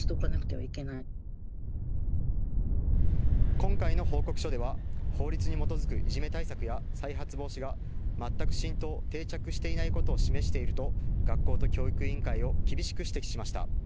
今回の報告書では法律に基づくいじめ対策や再発防止が全く浸透、定着していないことを示していると学校と教育委員会を厳しく指摘しました。